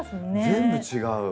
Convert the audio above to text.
全部違う。